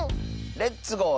「レッツゴー！